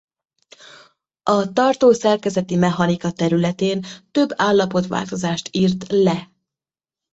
A tartószerkezeti mechanika területén több állapotváltozást írt le.